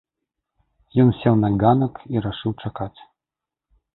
Ён сеў на ганках і рашыў чакаць.